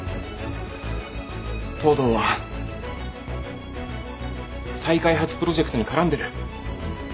藤堂は再開発プロジェクトに絡んでる。